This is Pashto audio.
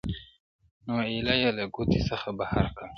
نو ایله یې له کوټې څخه بهر کړ٫